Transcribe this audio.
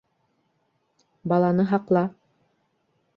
Баланы һаҡла.